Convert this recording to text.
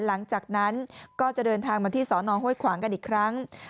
หลังจากนั้นก็จะเดินทางมาที่สอนอห้วยขวางกันอีกครั้ง